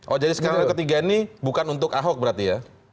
oh jadi skenario ketiga ini bukan untuk ahok berarti ya